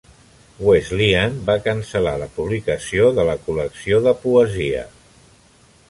Wesleyan va cancel·lar la publicació de la col·lecció de poesia.